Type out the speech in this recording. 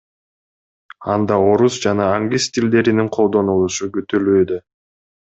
Анда орус жана англис тилдеринин колдонулушу күтүлүүдө.